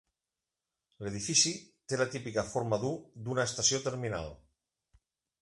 L'edifici té la típica forma d'U d'una estació terminal.